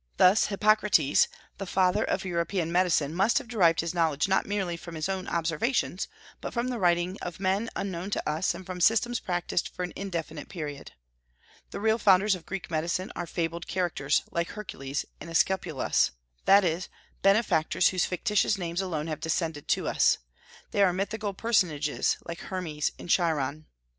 Thus Hippocrates, the father of European medicine, must have derived his knowledge not merely from his own observations, but from the writings of men unknown to us and from systems practised for an indefinite period. The real founders of Greek medicine are fabled characters, like Hercules and Aesculapius, that is, benefactors whose fictitious names alone have descended to us. They are mythical personages, like Hermes and Chiron.